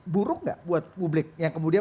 buruk nggak buat publik yang kemudian